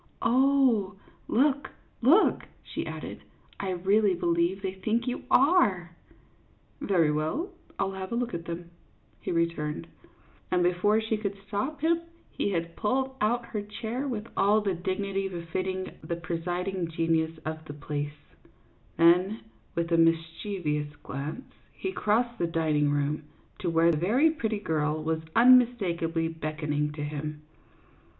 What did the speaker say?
Oh, look, look," she added, " I really believe they think you are !" "Very well, I'll have a look at them," he re turned; and before she could stop him he had pulled out her chair with all the dignity befitting the presiding genius of the place ; then, with a mis chievous glance, he crossed the dining room, to where a very pretty girl was unmistakably beckon ing to him.